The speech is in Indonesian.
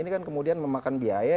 ini kan kemudian memakan biaya